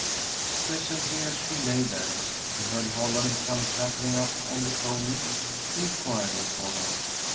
Presently, as she lay there, she heard Holland come clattering up on the pony, inquiring for her.